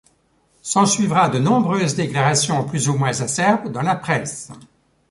S'ensuivra de nombreuses déclarations plus ou moins acerbes dans la presse.